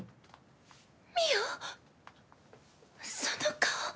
その顔。